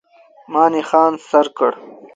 ما نښان سر کړ.